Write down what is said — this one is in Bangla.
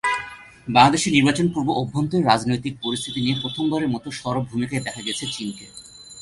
বাংলাদেশের নির্বাচন-পূর্ব অভ্যন্তরীণ রাজনৈতিক পরিস্থিতি নিয়ে প্রথমবারের মতো সরব ভূমিকায় দেখা গেছে চীনকে।